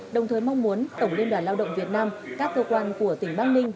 đồng thời mong muốn tổng liên đoàn lao động việt nam các cơ quan của tỉnh bắc ninh